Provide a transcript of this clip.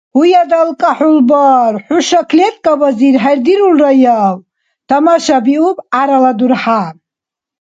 – Гьуя, ДалкӀа хӀулбар, хӀуша клеткабазир хӀердирулраяв? – тамашабиуб гӀярала дурхӀя.